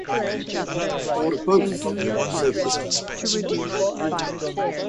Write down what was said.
‘Or both,’ said Mr. Tupman.